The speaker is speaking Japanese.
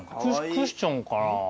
クッションかな？